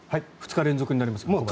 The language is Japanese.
２日連続になりますが。